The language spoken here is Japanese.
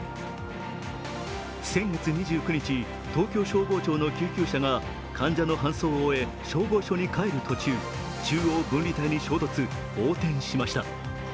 先月２９日、東京消防庁の救急車が患者の搬送を終え消防署に帰る途中、中央分離帯に衝突、横転しました。